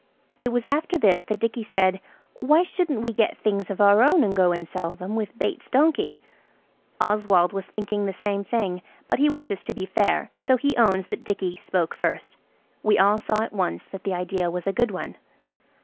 It was after this that Dicky said– "Why shouldn't we get things of our own and go and sell them–with Bates' donkey?" Oswald was thinking the same thing, but he wishes to be fair, so he owns that Dicky spoke first. We all saw at once that the idea was a good one.